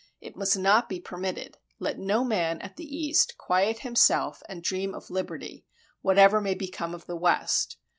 It must not be permitted. ... Let no man at the East quiet himself and dream of liberty, whatever may become of the West.